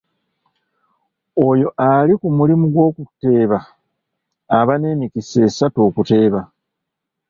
Oyo ali ku mulimu gw’okuteeba aba n’emikisa esatu okuteeba.